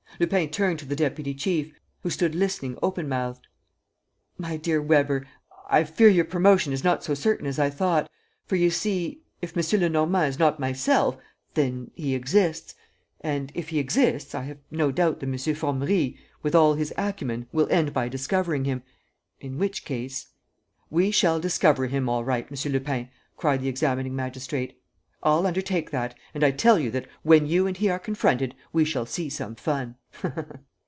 ... Lupin turned to the deputy chief, who stood listening open mouthed: "My dear Weber, I fear your promotion is not so certain as I thought. For, you see, if M. Lenormand is not myself, then he exists ... and, if he exists, I have no doubt that M. Formerie, with all his acumen, will end by discovering him ... in which case ..." "We shall discover him all right, M. Lupin," cried the examining magistrate. "I'll undertake that, and I tell you that, when you and he are confronted, we shall see some fun."